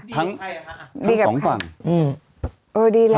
ทั้งสองฝั่งเธอดีครับ